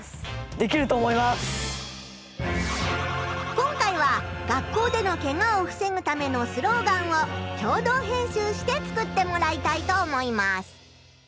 今回は学校でのケガを防ぐためのスローガンを共同編集して作ってもらいたいと思います。